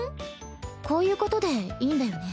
こういうことでいいんだよね？